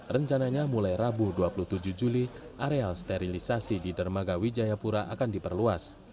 rencananya mulai rabu dua puluh tujuh juli area sterilisasi di dermaga wijayapura akan diperluas